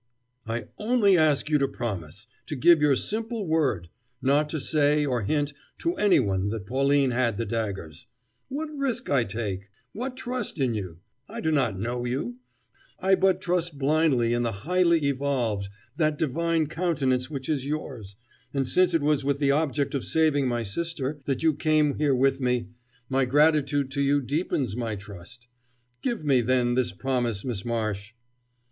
"I only ask you to promise to give your simple word not to say, or hint, to anyone that Pauline had the daggers. What a risk I take! What trust in you! I do not know you I but trust blindly in the highly evolved, that divine countenance which is yours; and since it was with the object of saving my sister that you came here with me, my gratitude to you deepens my trust. Give me, then, this promise, Miss Marsh!"